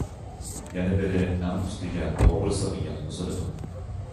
يەنە بىرى ئەڭ ئۈستىگە توغرىسىغا ياتقۇزۇلىدۇ.